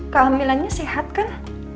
kehamilannya sehat kan